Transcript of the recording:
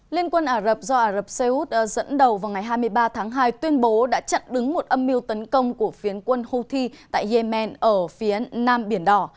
liên quân ả rập do ả rập xê út dẫn đầu vào ngày hai mươi ba tháng hai tuyên bố đã chặn đứng một âm mưu tấn công của phiến quân houthi tại yemen ở phía nam biển đỏ